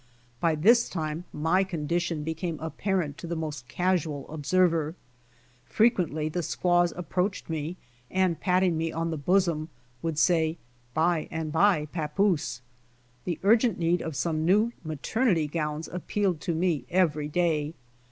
By this time my condition became apparent to the most casual observer. Frequently the squavt'^ approached me and patting me on the bosom, would say, "By and by papoose." The urgent need of some new maternity gowns appealed to me every day.